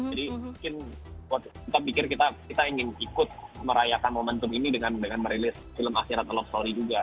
mungkin kita pikir kita ingin ikut merayakan momentum ini dengan merilis film akhirat love story juga